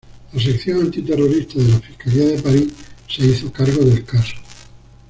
La sección antiterrorista de la fiscalía de París se hizo cargo del caso.